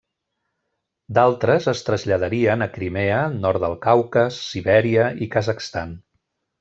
D'altres es traslladarien a Crimea, Nord del Caucas, Sibèria i Kazakhstan.